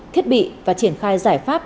thiết bị và triển khai giải pháp